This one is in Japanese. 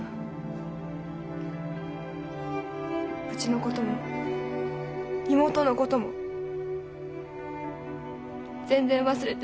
うちのことも妹のことも全然忘れてた。